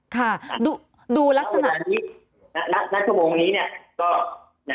ค่ะดูลักษณะนี้ณราชวงศ์นี้เนี่ย